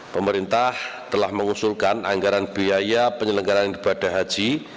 pemerintah telah mengusulkan anggaran biaya penyelenggaran ibadah haji